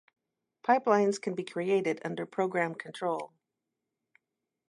Pipelines can be created under program control.